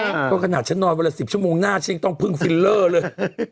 ก็ขนาดฉันนอนวันละ๑๐ชั่วโมงหน้าฉันต้องพึ่งฟิลเลอร์เลย